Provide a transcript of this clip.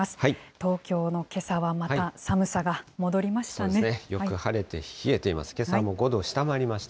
東京のけさはまた寒さが戻りましたね。